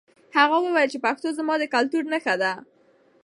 هغه وویل چې پښتو زما د کلتور نښه ده.